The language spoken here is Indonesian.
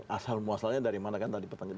asal muasalnya dari mana kan tadi pertanyaan